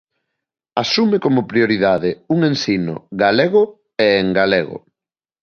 Asume como prioridade un ensino galego e en galego.